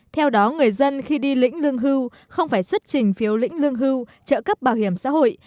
theo đó người dân khi đi lĩnh lương hưu không phải xuất trình phiếu lĩnh lương hưu trợ cấp bảo hiểm xã hội